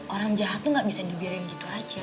orang jahat tuh gak bisa dibiarin gitu aja